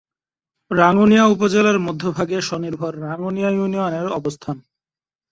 রাঙ্গুনিয়া উপজেলার মধ্যভাগে স্বনির্ভর রাঙ্গুনিয়া ইউনিয়নের অবস্থান।